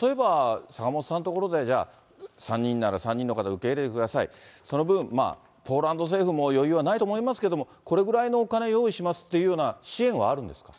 例えば、坂本さんのところで、じゃあ、３人なら３人の方を受け入れてください、その分、ポーランド政府も余裕はないと思いますけれども、これぐらいのお金用意しますっていうような支援はあるんですか？